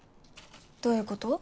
どういうこと？